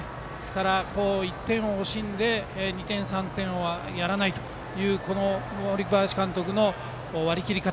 １点を惜しんで２点３点はやらないというこの森林監督の割り切り方。